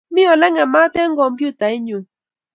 Mi oleng'emat eng' komptutait nyu.